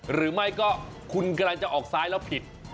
หรือไม่ก็คุณกำลังจะออกซ้ายแล้วผิด